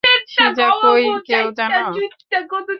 শীজা কই কেউ জানো?